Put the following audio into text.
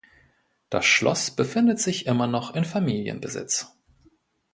Das Schloss befindet sich immer noch in Familienbesitz.